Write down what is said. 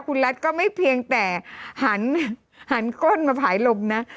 คุณรัฐก็ไม่เพียงแต่หันก้นมาผายลมนะ